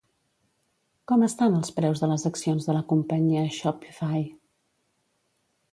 Com estan els preus de les accions de la companyia Shopify?